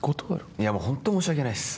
いやもうほんと申し訳ないっす